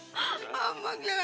ya allah alhamdulillah ya allah